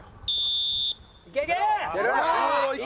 いけいけ！